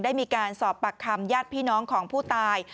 ได้มีการสอบปากคำญาติพี่น้องของผู้ตาย